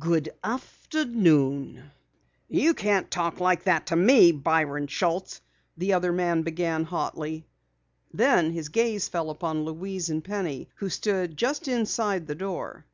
Good afternoon!" "You can't talk like that to me, Byron Schultz!" the other man began hotly. Then his gaze fell upon Louise and Penny who stood just inside the door.